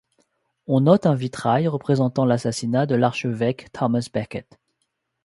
On note un vitrail représentant l'assassinat de l'archevêque Thomas Becket.